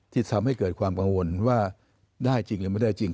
ที่ทำให้เกิดความกังวลว่าได้จริงหรือไม่ได้จริง